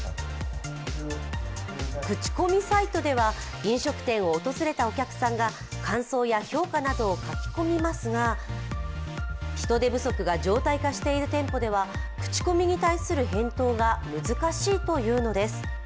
口コミサイトでは飲食店を訪れたお客さんが感想や評価などを書き込みますが人手不足が常態化している店舗では口コミに対する返答が難しいというのです。